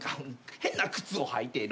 変な靴を履いてる。